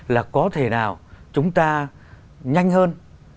là có thể nào chúng ta nhanh hơn